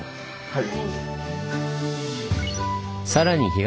はい。